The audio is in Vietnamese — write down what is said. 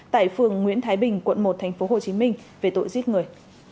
tại phường nguyễn thái bình quận một tp hcm về tội giết người